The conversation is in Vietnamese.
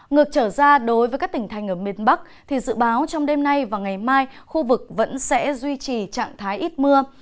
ngược trở ra đối với các tỉnh thành ở miền bắc thì dự báo trong đêm nay và ngày mai khu vực vẫn sẽ duy trì trạng thái ít mưa